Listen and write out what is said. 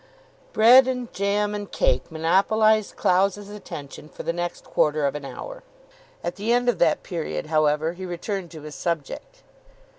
Bread and jam and cake monopolised Clowes's attention for the next quarter of an hour. At the end of that period, however, he returned to his subject.